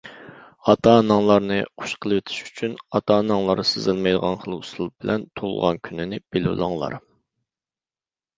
-ئاتا-ئاناڭلارنى خۇش قىلىۋېتىش ئۈچۈن، ئاتا-ئاناڭلار سېزەلمەيدىغان خىل ئۇسۇل بىلەن تۇغۇلغان كۈنىنى بىلىۋېلىڭلار.